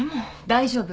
大丈夫。